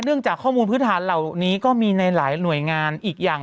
จากข้อมูลพื้นฐานเหล่านี้ก็มีในหลายหน่วยงานอีกอย่าง